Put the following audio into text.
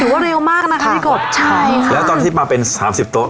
ว่าเร็วมากนะคะพี่กบใช่ค่ะแล้วตอนที่มาเป็นสามสิบโต๊ะ